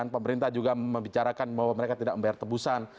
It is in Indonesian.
pemerintah juga membicarakan bahwa mereka tidak membayar tebusan